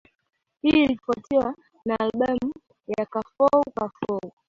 Hii ilifuatiwa na albamu ya Kafou Kafou